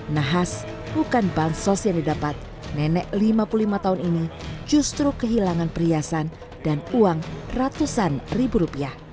nahas bukan bansos yang didapat nenek lima puluh lima tahun ini justru kehilangan perhiasan dan uang ratusan ribu rupiah